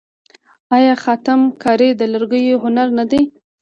آیا خاتم کاري د لرګیو هنر نه دی؟